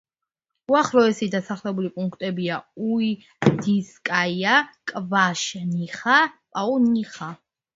უახლოესი დასახლებული პუნქტებია: იუდინსკაია, კვაშნიხა, პაუნიხა.